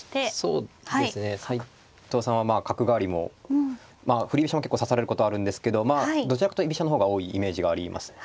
そうですね斎藤さんは角換わりもまあ振り飛車も結構指されることあるんですけどどちらかというと居飛車の方が多いイメージがありますね。